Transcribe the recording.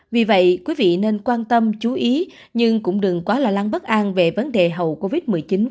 vì vậy quý vị nên quan tâm chú ý nhưng cũng đừng quá lo lắng bất an về vấn đề hậu covid một mươi chín